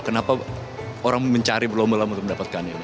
kenapa orang mencari belum lama untuk mendapatkannya